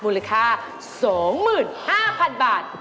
มูลค่า๒๕๐๐๐บาท